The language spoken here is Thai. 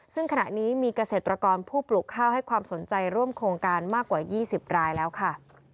ซึ่งขณะนี้มีเกษตรกรผู้ปลูกข้าวให้ความสนใจร่วมโครงการมากกว่า๒๐รายแล้วค่ะ